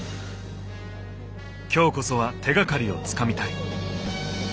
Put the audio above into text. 今日こそは手がかりをつかみたい。